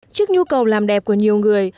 trước nhu cầu làm đẹp của nhiều người